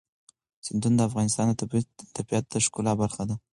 سیندونه د افغانستان د طبیعت د ښکلا برخه ده.